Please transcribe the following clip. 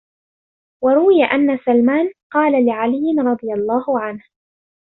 وَرُوِيَ أَنَّ سَلْمَانَ قَالَ لِعَلِيٍّ رَضِيَ اللَّهُ عَنْهُ